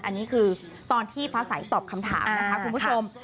อันนี้คือตอนที่พระสัยตอบคำถามนะคะคุณผู้ชม